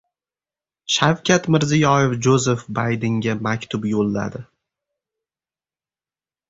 Shavkat Mirziyoev Jozef Baydenga maktub yo‘lladi